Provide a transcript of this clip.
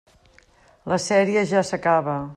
La sèrie ja s'acaba.